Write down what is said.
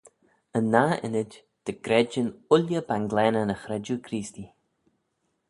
Yn nah ynnyd, dy greidin ooilley banglaneyn y chredjue Creestee.